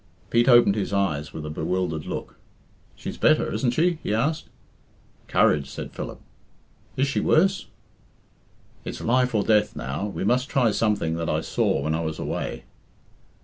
Pete opened his eyes with a bewildered look» "She's better, isn't she?" he asked. "Courage," said Philip. "Is she worse?" "It's life or death now. We must try something that I saw when I was away."